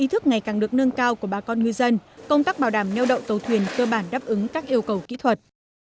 thức ngày càng được nâng cao của bà con ngư dân công tác bảo đảm neo đậu tàu thuyền cơ bản đáp ứng các yêu cầu kỹ thuật